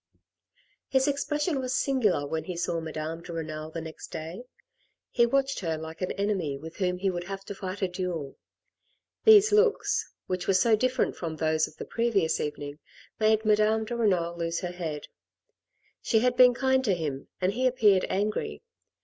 His expression was singular when he saw Madame de Renal the next day; he watched her like an enemy with whom he would have to fight a duel. These looks, which were so different from those of the previous evening, made Madame de Renal lose her head ; she had been kind to him and he appeared angry.